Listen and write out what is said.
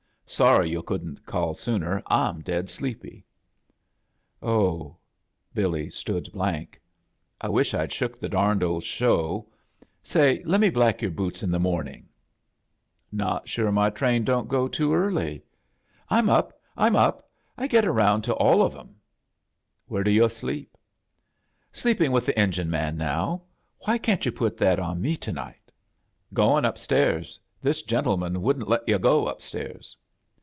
Sorry yu' couldn't call sooner — I'm dead sleepy." "0 hl" Billy stood blank. "I widi I'd shook the darned old show. Say, lemme black your boots in the morning?" A JOURNEY IN SEARCH OF CHRISTMAS "Not sore my train don't go too early." "I'm op! Fm op! I get around to all of *em." "'^lere do yo* sleep?" "Sleeping with the engioe man now^ Why can't ^m pot that on me to night?" "Goin' up stairs. This gentleman wouldn't let yu' go up stairs."